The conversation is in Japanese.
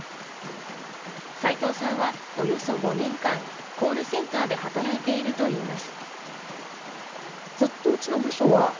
斉藤さんはおよそ５年間、コールセンターで働いているといいます。